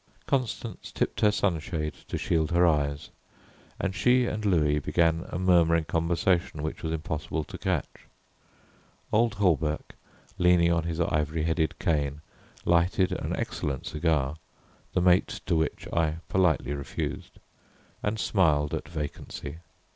Constance tipped her sunshade to shield her eyes, and she and Louis began a murmuring conversation which was impossible to catch. Old Hawberk, leaning on his ivory headed cane, lighted an excellent cigar, the mate to which I politely refused, and smiled at vacancy.